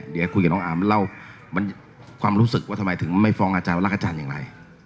เดี๋ยวคุยกับน้องอาร์มเล่ามันความรู้สึกว่าทำไมถึงไม่ฟ้องอาจารย์รักอาจารย์อย่างไร